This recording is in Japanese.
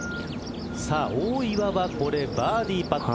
大岩はこれバーディーパット。